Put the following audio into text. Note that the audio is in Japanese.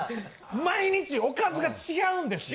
毎日おかずが違うんですよ。